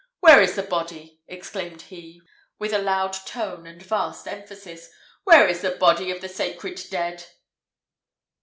"Where is the body?" exclaimed he with a loud tone and vast emphasis, "Where is the body of the sacred dead?"